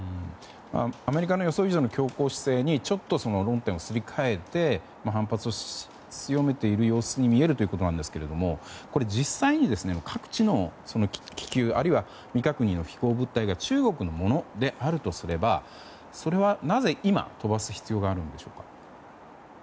アメリカの予想以上の強硬姿勢にちょっと論点をすり替えて反発を強めている様子に見えるということですが実際に各地の気球あるいは未確認の飛行物体が中国のものであるとすればそれはなぜ今、飛ばす必要があるのでしょうか？